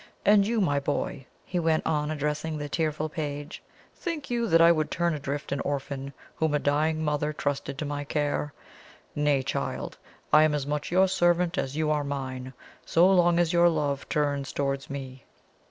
And you, my boy," he went on, addressing the tearful page, "think you that I would turn adrift an orphan, whom a dying mother trusted to my care? Nay, child, I am as much your servant as you are mine, so long as your love turns towards me."